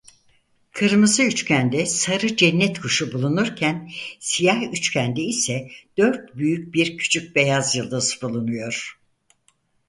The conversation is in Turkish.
Kırmızı üçgende sarı cennet kuşu bulunurken siyah üçgende ise dört büyük bir küçük beyaz yıldız bulunuyor.